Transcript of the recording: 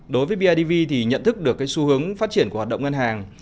đối với bidv thì nhận thức được cái xu hướng phát triển của hoạt động ngân hàng